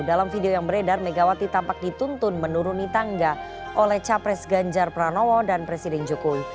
dalam video yang beredar megawati tampak dituntun menuruni tangga oleh capres ganjar pranowo dan presiden jokowi